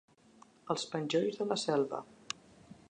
Els penjolls de la selva.